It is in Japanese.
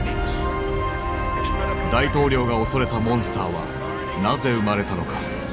大統領が恐れたモンスターはなぜ生まれたのか。